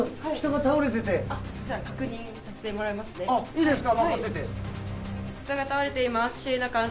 いいですか？